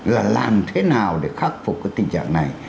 là làm thế nào để khắc phục cái tình trạng này